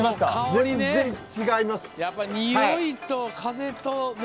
全然、違います。